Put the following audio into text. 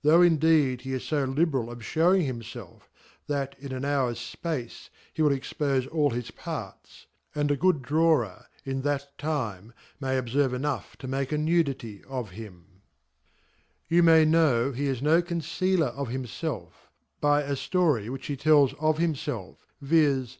Though indeed htis fo // beralof fhewing him/elf that in an hours fp ace > he will expofeall his Parts ; and a good Drawer, * So the Pain in that time , may obferve enough to make a* p^t^ a n Nuditie of him. Tou may know he is no concealer of himfelf y by aflory which he tells of himfelf viz.